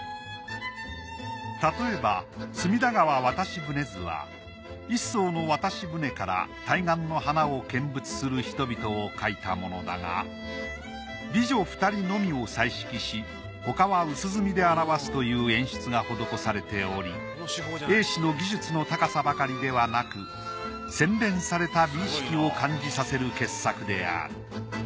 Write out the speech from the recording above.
例えば『隅田川渡舟図』は一艘の渡し舟から対岸の花を見物する人々を描いたものだが美女２人のみを彩色し他は薄墨で表すという演出が施されており栄之の技術の高さばかりではなく洗練された美意識を感じさせる傑作である。